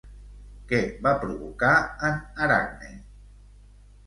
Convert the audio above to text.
Què va provocar en Aracne?